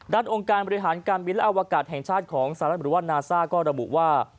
โดนองค์การบินและอวกาศแห่งชาติของสารับธรรมดิวัตรนาซ่าก็ระบุว่า